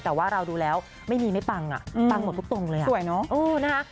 แต่ว่าเราดูแล้วไม่มีไม่ปังอ่ะปังหมดทุกตรงเลยอ่ะสวยเนอะ